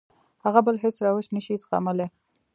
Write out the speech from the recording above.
هغه بل هېڅ روش نه شي زغملی.